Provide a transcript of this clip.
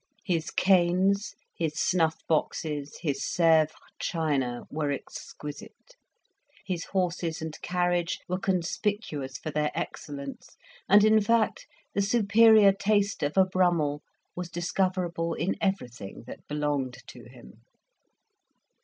His canes, his snuff boxes, his Sevres china, were exquisite; his horses and carriage were conspicuous for their excellence; and, in fact, the superior taste of a Brummell was discoverable in everything that belonged to him.